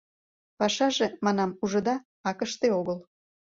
— Пашаже, — манам, — ужыда, акыште огыл.